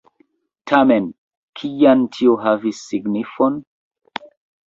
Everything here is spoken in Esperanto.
Tamen, kian tio havis signifon?